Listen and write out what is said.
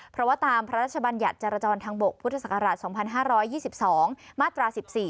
เพราะว่าตามพระราชบัญญัติจรจรทางบกพุทธศักราช๒๕๒๒มาตรา๑๔